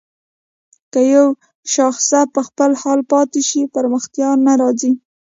که يو شاخص په خپل حال پاتې شي پرمختيا نه راځي.